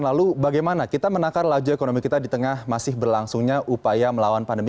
lalu bagaimana kita menakar laju ekonomi kita di tengah masih berlangsungnya upaya melawan pandemi